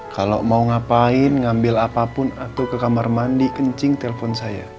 kalau mau ngapain ngambil apapun atau ke kamar mandi kencing telpon saya